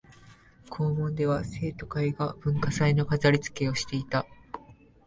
校門では生徒会が文化祭の飾りつけをしていた